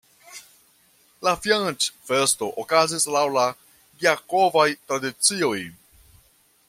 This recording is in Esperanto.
La fianĉfesto okazis laŭ la gjakovaj tradicioj.